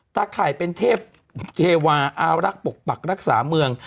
ถ้าใครเป็นเทพเทวาอารักปกปรักษาเมือง